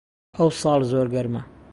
ئەوساڵ زۆر گەرمە